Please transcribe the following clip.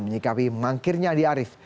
menyikapi mangkirnya andi arief